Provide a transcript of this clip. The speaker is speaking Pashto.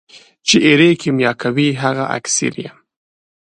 چي ایرې کېمیا کوي هغه اکسیر یم.